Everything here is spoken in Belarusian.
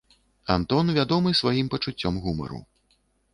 Антон вядомы сваім пачуццём гумару.